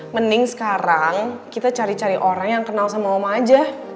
mending sekarang kita cari cari orang yang kenal sama mama aja